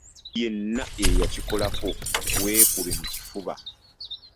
Yenna eyakikolako weekube mu kifuba.